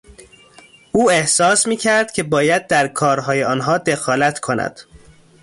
او احساس میکرد که باید در کارهای آنها دخالت کند.